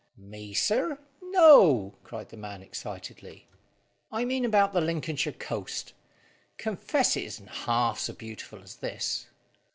"Me, sir? No!" cried the man excitedly. "I mean about the Lincolnshire coast. Confess it isn't half so beautiful as this."